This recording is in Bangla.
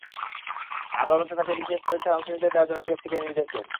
আদালত তাঁকে বিসিএস পরীক্ষায় অংশ নিতে দেওয়ার জন্য পিএসসিকে নির্দেশনা দেন।